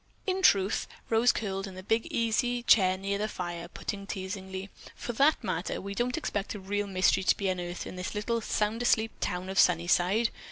"In truth," Rose, curled in the big easy chair near the fire, put in teasingly, "for that matter, we don't expect a real mystery to be unearthed in this little sound asleep town of Sunnyside.